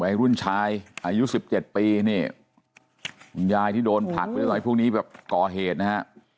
วัยรุ่นชายอายุ๑๗ปีนี่คุณยายที่โดนผลักหรืออะไรพวกนี้แบบก่อเหตุนะฮะ